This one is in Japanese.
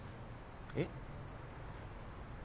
えっ？